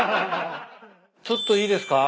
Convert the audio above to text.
ちょっといいですか？